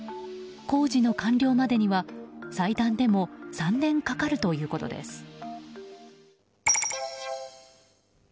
工事の完了までには最短でも３年かかるということです。